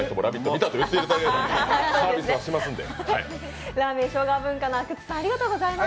見たといっていただければサービスはするので。